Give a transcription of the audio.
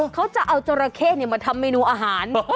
เขาจะเอาจราเข้มาทำเมนูอาหาร